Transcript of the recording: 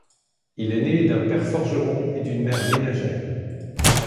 Il est né d'un père Forgeron et d'une mère ménagère.